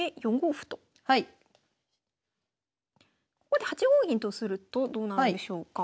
ここで８五銀とするとどうなるんでしょうか。